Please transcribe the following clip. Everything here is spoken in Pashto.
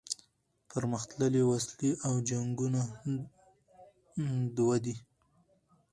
پرمختللي وسلې او جنګونه دوه دي.